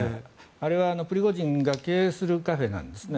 あれはプリゴジンが経営するカフェなんですね。